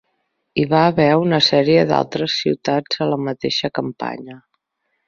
Hi va haver una sèrie d'altres ciutats a la mateixa campanya.